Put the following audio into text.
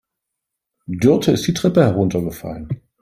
Dörte ist die Treppe heruntergefallen.